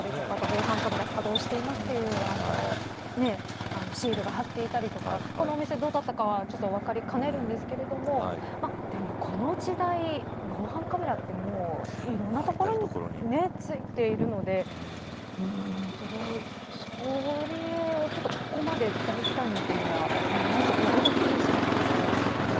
ちかちかしたりとか防犯カメラが作動していますというシールが貼っていたりとかこのお店がどうだったかは分かりかねるんですけれどもでも、この時代防犯カメラっていろんな所についているのでそれをちょっとここまで大胆にというのはまず驚きでしたけど。